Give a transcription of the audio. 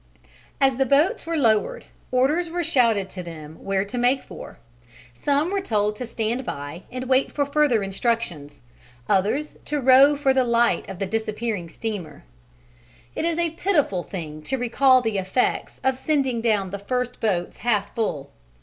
As the boats were lowered, orders were shouted to them where to make for: some were told to stand by and wait for further instructions, others to row for the light of the disappearing steamer. It is a pitiful thing to recall the effects of sending down the first boats half full.